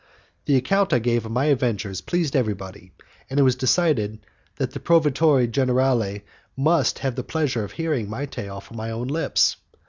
The account I gave of my adventures pleased everybody, and it was decided that the proveditore generale must have the pleasure of hearing my tale from my own lips.